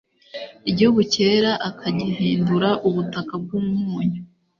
igihugu cyera akagihindura ubutaka bw'umunyu